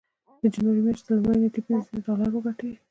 د جنوري مياشتې تر لومړۍ نېټې پينځه زره ډالر وګټئ.